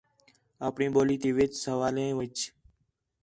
آپݨی ٻولی تے وِچ سوالیں وِڄ